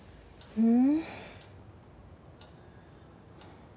うん。